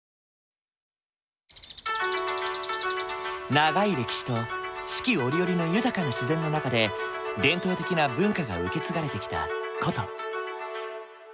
長い歴史と四季折々の豊かな自然の中で伝統的な文化が受け継がれてきた古都。